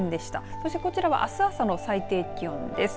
そしてこちらはあす朝の最低気温です。